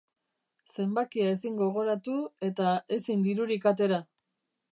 Zenbakia ezin gogoratu, eta ezin dirurik atera.